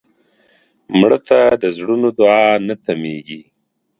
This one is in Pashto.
مړه ته د زړونو دعا نه تمېږي